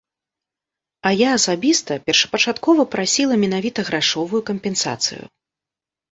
А я асабіста першапачаткова прасіла менавіта грашовую кампенсацыю.